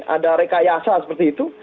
ada rekayasa seperti itu